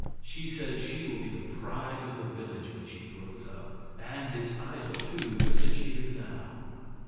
She says she will be the pride of the village when she grows up; and its idol, too, just as she is now."